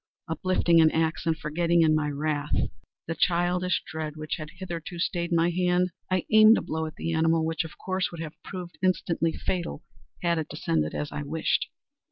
Uplifting an axe, and forgetting, in my wrath, the childish dread which had hitherto stayed my hand, I aimed a blow at the animal which, of course, would have proved instantly fatal had it descended as I wished.